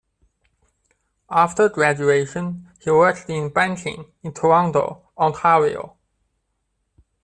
After graduation, he worked in banking in Toronto, Ontario.